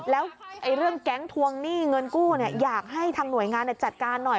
แล้วเรื่องแก๊งทวงหนี้เงินกู้อยากให้ทางหน่วยงานจัดการหน่อย